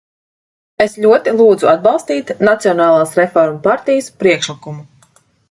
Es ļoti lūdzu atbalstīt Nacionālās reformu partijas priekšlikumu.